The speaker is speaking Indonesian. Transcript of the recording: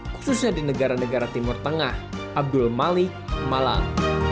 khususnya di negara negara timur tengah abdul malik malang